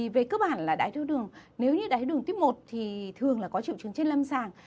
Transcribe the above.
về cơ bản là đai tháo đường nếu như đai tháo đường tuyếp một thì thường là có triệu chứng trên lâm sàng